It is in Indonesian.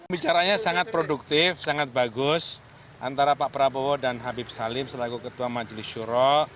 bicaranya sangat produktif sangat bagus antara pak prabowo dan habib salim selaku ketua majelis syuro